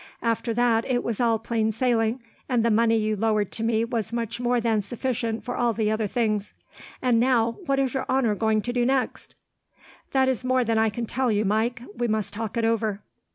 "After that, it was all plain sailing, and the money you lowered to me was much more than sufficient for all the other things. And now, what is your honour going to do next?" "That is more than I can tell you, Mike. We must talk it over."